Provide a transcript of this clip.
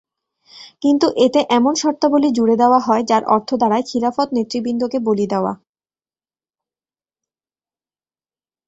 কিন্তু এতে এমন শর্তাবলি জুড়ে দেওয়া হয় যার অর্থ দাঁড়ায় খিলাফত নেতৃবৃন্দকে বলি দেওয়া।